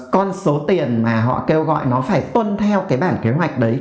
con số tiền mà họ kêu gọi nó phải tuân theo cái bản kế hoạch đấy